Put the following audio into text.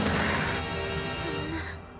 そんな。